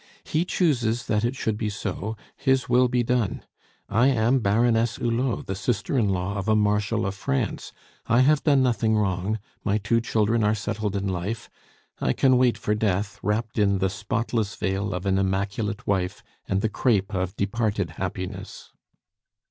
"He chooses that it should be so; his will be done! I am Baroness Hulot, the sister in law of a Marshal of France. I have done nothing wrong; my two children are settled in life; I can wait for death, wrapped in the spotless veil of an immaculate wife and the crape of departed happiness."